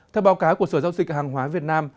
theo báo cáo của sở giao dịch hàng hóa việt nam